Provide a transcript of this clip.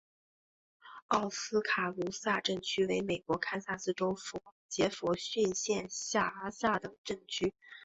奥斯卡卢萨镇区为美国堪萨斯州杰佛逊县辖下的镇区。